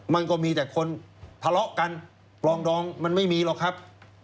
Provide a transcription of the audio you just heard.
มันก็มีแต่คนทะเลาะกันปลองดองมันไม่มีหรอกครับ